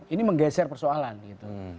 ini menggeser persoalan gitu